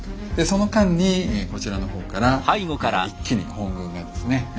その間にこちらの方から一気に本軍がですね